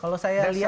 kalau saya lihat